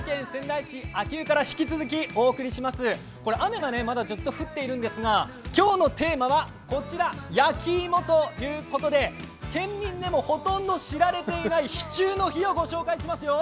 雨がまだずっと降っているんですが、今日のテーマはこちら、焼き芋ということで、県民でもほとんど知られていない秘中の秘を御紹介しますよ。